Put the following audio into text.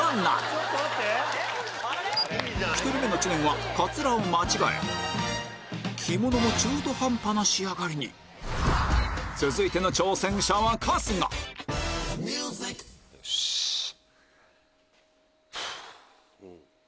両チーム行い１人目の知念はカツラを間違え着物も中途半端な仕上がりに続いての挑戦者はふぅ。